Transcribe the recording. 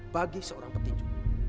bagi seorang petinju